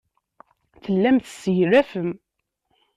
Tellam tesseglafem.